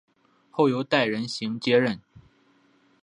后由戴仁行接任。